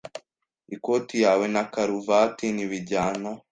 Ikoti yawe na karuvati ntibijyana.